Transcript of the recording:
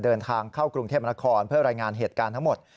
เดินทางเข้ากรุงเทพมนครเพื่อรายงานเหตุการณ์ทั้งหมด